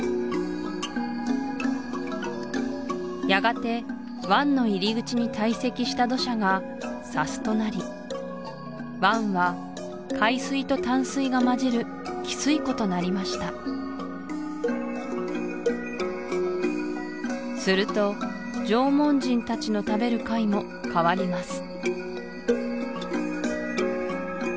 やがて湾の入り口に堆積した土砂が砂州となり湾は海水と淡水がまじる汽水湖となりましたすると縄文人たちの食べる貝も変わります